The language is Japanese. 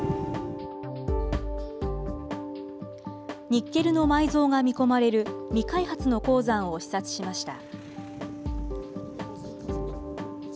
ニッケルの埋蔵が見込まれる未開発の鉱山を視察しました。